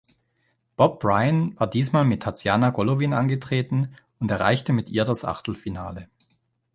Bob Bryan war diesmal mit Tatiana Golovin angetreten und erreichte mit ihr das Achtelfinale.